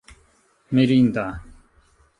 mirinda